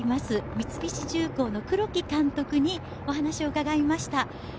三菱重工の黒木監督にお話を伺いました。